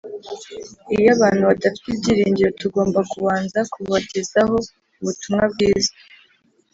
Iyo abantu badafite ibyiringiro, tugomba kubanza kubagezaho Ubutumwa Bwiza